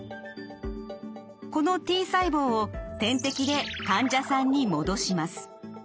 このＴ細胞を点滴で患者さんに戻します。